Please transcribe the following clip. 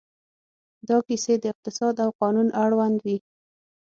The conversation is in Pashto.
دا کیسې د اقتصاد او قانون اړوند وې.